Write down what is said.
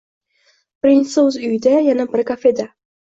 Birinchisi o`z uyida, yana biri kafeda